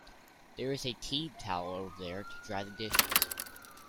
There is a tea towel over there to dry the dishes